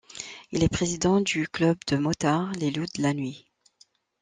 Il est président du club de motards Les Loups de la nuit.